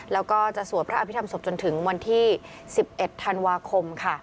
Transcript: แล้วก็จะสวดพระอภิษฐรรศพจนถึงวันที่๑๑ธันวาคมค่ะ